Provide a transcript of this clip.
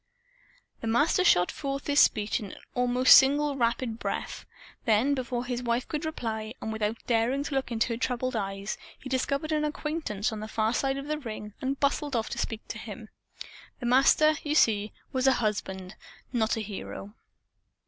The Master shot forth this speech in almost a single rapid breath. Then, before his wife could reply, and without daring to look into her troubled eyes, he discovered an acquaintance on the far side of the ring and bustled off to speak to him. The Master, you see, was a husband, not a hero.